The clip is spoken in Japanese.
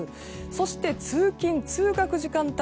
そして、通勤・通学時間帯